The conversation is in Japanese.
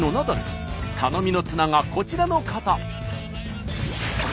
頼みの綱がこちらの方。